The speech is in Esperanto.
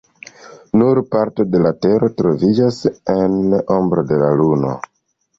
Nur parto de la tero troviĝas en ombro de la luno.